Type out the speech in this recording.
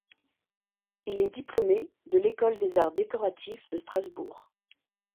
Il est diplômé de l'École des Arts Décoratifs de Strasbourg.